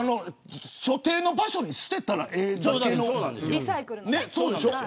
所定の場所に捨てたらええだけの。